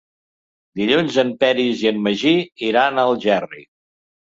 Dilluns en Peris i en Magí iran a Algerri.